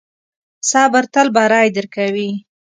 صبر تل بری درکوي.